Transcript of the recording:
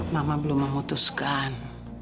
mama belum memutuskan